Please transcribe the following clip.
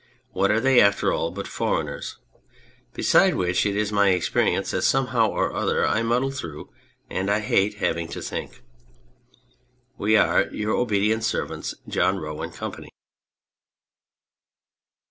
What are they, after all, but foreigners ? Besides which, it is my experience that somehow or other I muddle through, and I hate having to think. We are, Your obedient Servants, JOHN ROE & COMPANY.